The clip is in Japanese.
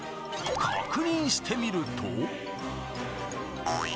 確認してみると。